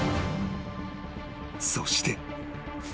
［そして］